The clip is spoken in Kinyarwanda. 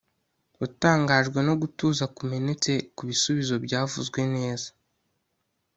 watangajwe no gutuza kumenetse kubisubizo byavuzwe neza